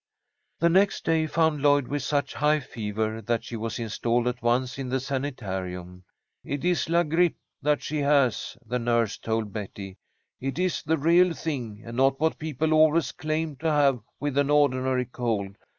The next day found Lloyd with such high fever that she was installed at once in the sanitarium. "It is la grippe that she has," the nurse told Betty. "It is the real thing, and not what people always claim to have with an ordinary cold.